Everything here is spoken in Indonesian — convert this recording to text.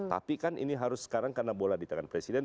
tapi kan ini harus sekarang karena bola di tangan presiden